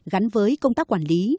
gắn với công tác quản lý